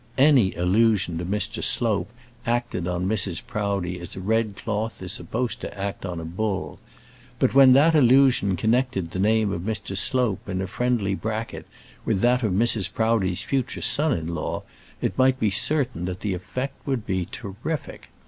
Any allusion to Mr. Slope acted on Mrs. Proudie as a red cloth is supposed to act on a bull; but when that allusion connected the name of Mr. Slope in a friendly bracket with that of Mrs. Proudie's future son in law it might be certain that the effect would be terrific.